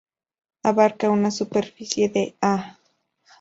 Abarca una superficie de ha.